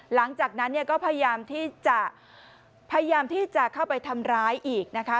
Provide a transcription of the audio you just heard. หลังจากนั้นก็พยายามที่จะเข้าไปทำร้ายอีกนะคะ